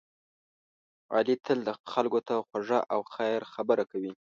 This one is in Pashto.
علی تل خلکو ته خوږه او خیر خبره کوي.